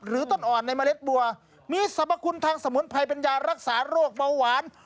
ต้นอ่อนในเมล็ดบัวมีสรรพคุณทางสมุนไพรเป็นยารักษาโรคเบาหวาน